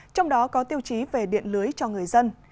trong đó có tiêu chí về điện lưới cho người dân